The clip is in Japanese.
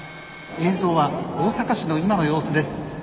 映像は大阪市の今の様子です。